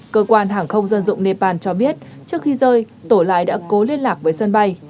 cơ quan hàng không dân dụng nepal cho biết trước khi rơi tổ lái đã cố liên lạc với sân bay